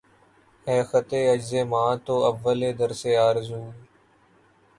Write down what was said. ہے خطِ عجز مَاو تُو اَوّلِ درسِ آرزو